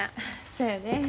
そうやね。